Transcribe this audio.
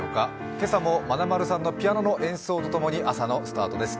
今朝もまなまるさんのピアノの演奏と共に、朝のスタートです。